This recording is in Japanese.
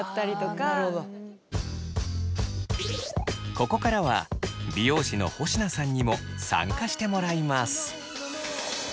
ここからは美容師の保科さんにも参加してもらいます。